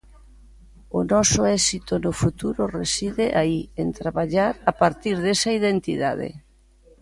O noso éxito no futuro reside aí, en traballar a partir desa identidade.